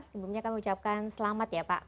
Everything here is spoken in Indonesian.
sebelumnya kami ucapkan selamat ya pak